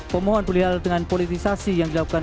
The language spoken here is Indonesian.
belial dengan politisasi yang dilakukan